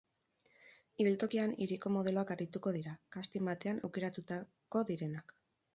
Ibiltokian hiriko modeloak arituko dira, casting batean aukeratuko direnak.